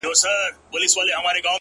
زه هم خطا وتمه”